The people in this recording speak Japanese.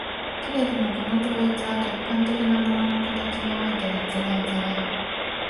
けれどもこの統一は客観的な物の形において実現され、